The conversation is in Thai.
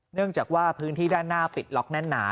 เนื่องจากว่าพื้นที่ด้านหน้าปิดล็อกแน่นหนา